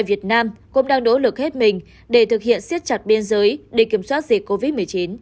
việt nam cũng đang nỗ lực hết mình để thực hiện siết chặt biên giới để kiểm soát dịch covid một mươi chín